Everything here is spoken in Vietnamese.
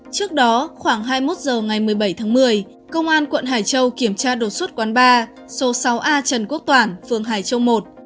trước đó khoảng hai mươi một h ngày một mươi bảy tháng một mươi công an quận hải châu kiểm tra đột xuất quán ba số sáu a trần quốc toản phường hải châu i